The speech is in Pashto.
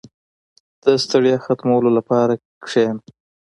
• د ستړیا ختمولو لپاره کښېنه.